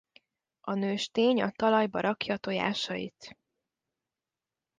A nőstény a talajba rakja tojásait.